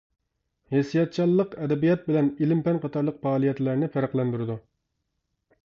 ھېسسىياتچانلىق ئەدەبىيات بىلەن ئىلىم-پەن قاتارلىق پائالىيەتلەرنى پەرقلەندۈرىدۇ.